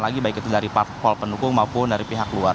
lagi baik itu dari parpol pendukung maupun dari pihak luar